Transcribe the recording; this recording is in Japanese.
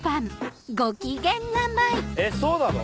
えっそうなの？